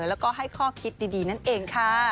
แล้วก็ให้ข้อคิดดีนั่นเองค่ะ